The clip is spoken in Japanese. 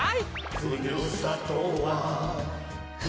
「ふるさとは」